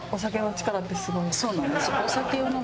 そうなんですよ。